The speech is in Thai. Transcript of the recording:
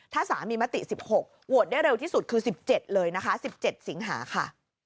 ถ้าสามีมติ๑๖โหวตได้เร็วที่สุดคือ๑๗เลยนะคะ๑๗สิงหาค่ะ